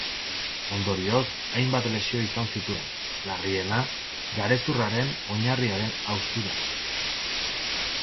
Ondorioz, hainbat lesio izan zituen, larriena, garezurraren oinarriaren haustura.